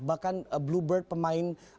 bahkan bluebird pemain taksi